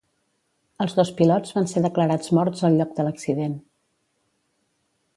Els dos pilots van ser declarats morts al lloc de l'accident.